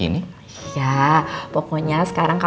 iya beneran enak